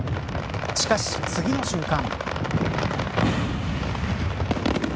しかし、次の瞬間。